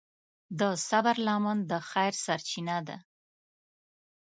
د صبر لمن د خیر سرچینه ده.